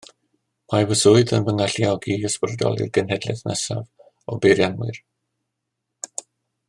Mae fy swydd yn fy ngalluogi i ysbrydoli'r genhedlaeth nesaf o beirianwyr